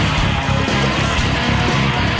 น้ำ